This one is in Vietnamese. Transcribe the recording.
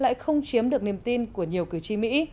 lại không chiếm được niềm tin của nhiều cử tri mỹ